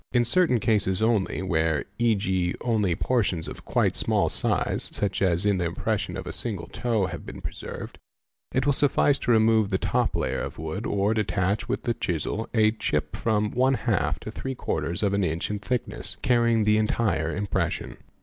In certain cases only, where, e.g., only portions of quite small size, such as the impression of a single — toe, have been preserved, it will suffice to remove the top layer of wood or detach with the chisel a chip of from 4 to # of an inch in thickness — carrying the entire impression.